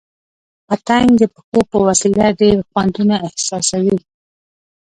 پتنګ د پښو په وسیله ډېر خوندونه احساسوي.